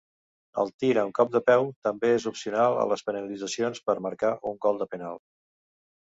El tir amb cop de peu també és opcional a les penalitzacions per marcar un gol de penal.